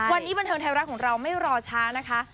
วันนี้บันเทิงไทยรัฐของเราไม่รอช้านะคะ